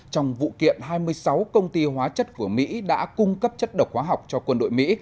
trong vụ kiện hai mươi sáu công ty hóa chất của mỹ đã cung cấp chất độc hóa học cho quân đội mỹ